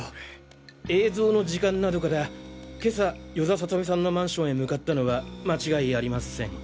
映像の時間などから今朝与田理美さんのマンションへ向かったのはまちがいありません。